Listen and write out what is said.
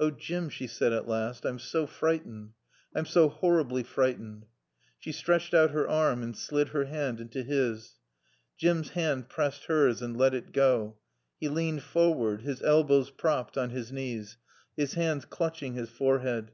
"Oh, Jim," she said at last. "I'm so frightened. I'm so horribly frightened." She stretched out her arm and slid her hand into his. Jim's hand pressed hers and let it go. He leaned forward, his elbows propped on his knees, his hands clutching his forehead.